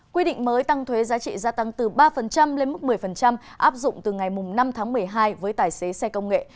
quy định mới tăng thuế giá trị gia tăng từ ba lên mức một mươi áp dụng từ ngày năm tháng một mươi hai với tài xế xe công nghệ